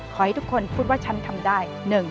ขอให้ทุกคนพูดว่าฉันทำได้